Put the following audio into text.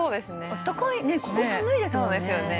暖かいここ寒いですもんね